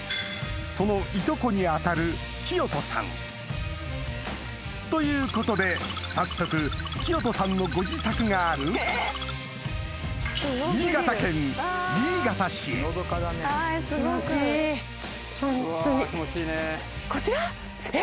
そのいとこに当たる清人さんということで早速清人さんのご自宅があるこちら？